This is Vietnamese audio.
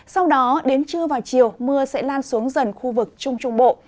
sau đó đến trưa vào chiều mưa sẽ lan xuống dần khu vực trung trung bộ